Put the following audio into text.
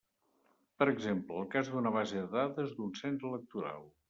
Per exemple, el cas d'una base de dades d'un cens electoral.